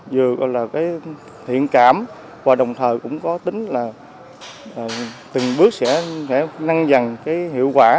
vừa là thiện cảm và đồng thời cũng có tính là từng bước sẽ năng dần hiệu quả